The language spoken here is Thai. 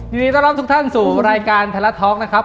ยินดีต้อนรับทุกท่านสู่รายการไทยรัฐท็อกนะครับ